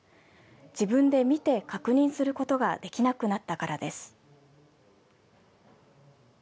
自分で見て確認することができなくなったからです。